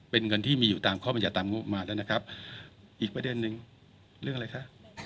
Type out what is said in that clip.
เป็นเงินที่มีอยู่ตามข้อบรรยัติตามงบมาแล้วนะครับอีกประเด็นนึงเรื่องอะไรคะ